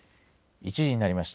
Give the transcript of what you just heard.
１時になりました。